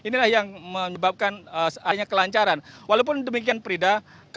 inilah yang menyebabkan hanya kelancaran walaupun demikian prida